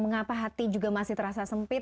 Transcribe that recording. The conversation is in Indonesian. mengapa hati juga masih terasa sempit